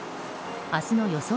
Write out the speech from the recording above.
明日の予想